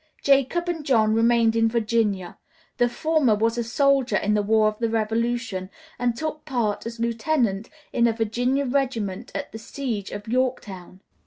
Jacob and John remained in Virginia; the former was a soldier in the War of the Revolution, and took part as lieutenant in a Virginia regiment at the siege of Yorktown.